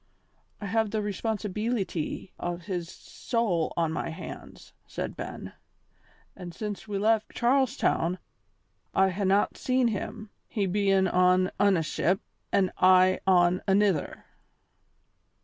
"I have the responsibeelity o' his soul on my hands," said Ben, "an' since we left Charles Town I hae not seen him, he bein' on ane ship an' I on anither."